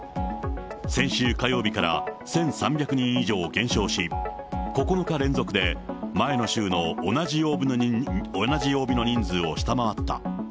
先週火曜日から、１３００人以上減少し、９日連続で前の週の同じ曜日の人数を下回った。